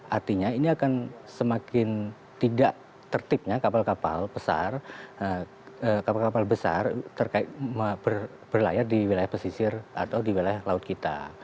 artinya ini akan semakin tidak tertibnya kapal kapal besar berlayar di wilayah pesisir atau di wilayah laut kita